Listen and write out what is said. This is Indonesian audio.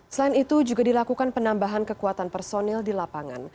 selain itu juga dilakukan penambahan kekuatan personil di lapangan